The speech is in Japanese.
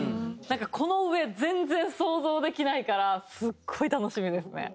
なんかこの上全然想像できないからすっごい楽しみですね。